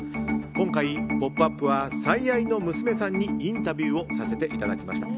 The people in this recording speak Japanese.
今回、「ポップＵＰ！」は最愛の娘さんにインタビューをさせていただきました。